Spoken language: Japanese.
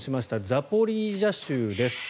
ザポリージャ州です。